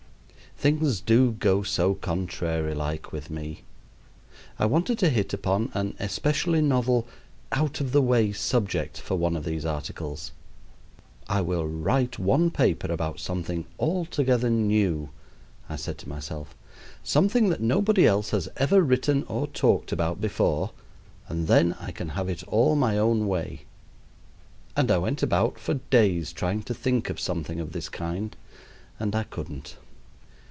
Things do go so contrary like with me. I wanted to hit upon an especially novel, out of the way subject for one of these articles. "I will write one paper about something altogether new," I said to myself; "something that nobody else has ever written or talked about before; and then I can have it all my own way." And I went about for days, trying to think of something of this kind; and I couldn't.